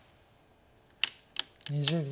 ２０秒。